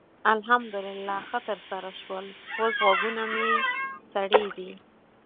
الحمدلله ښه ترسره شول؛ اوس غوږونه مې سړې دي.